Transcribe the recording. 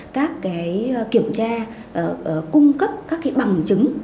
các kiểm tra cung cấp các bằng chứng